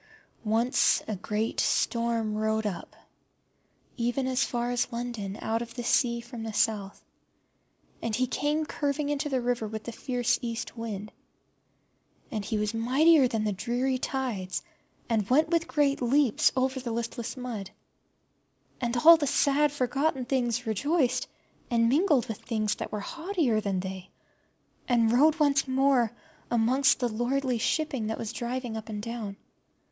Once a great storm rode up, even as far as London, out of the sea from the South; and he came curving into the river with the fierce East wind. And he was mightier than the dreary tides, and went with great leaps over the listless mud. And all the sad forgotten things rejoiced, and mingled with things that were haughtier than they, and rode once more amongst the lordly shipping that was driven up and down.